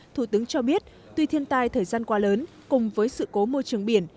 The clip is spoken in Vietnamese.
thủ tướng cho biết tuy thiên tai thời gian qua lớn cùng với sự cố môi trường biển